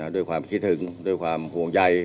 โดยความคิดถึงโดยความห่วงใย